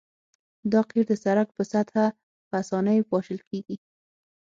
دا قیر د سرک په سطحه په اسانۍ پاشل کیږي